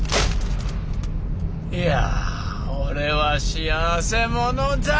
いや俺は幸せ者だ！